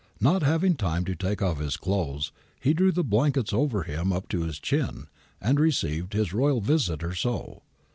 Not having time to take off his clothes, he drew the blankets over him up to his chin, and received his royal visitor so.